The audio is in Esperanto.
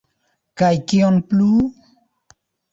Kaj kion plu?